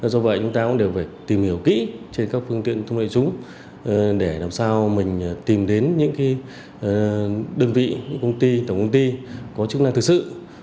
do vậy chúng ta cũng đều phải tìm hiểu kỹ trên các phương tiện thông đại chúng để làm sao mình tìm đến những đơn vị những công ty tổng công ty có chức năng thực sự